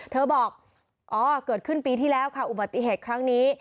เธอบอกอ๋อเกิดขึ้นปีที่แล้วค่ะอุบัติเหตุครั้งนี้